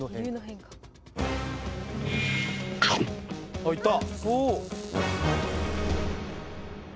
あっいった！